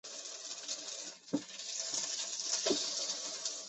福山町秋田县秋田市出生。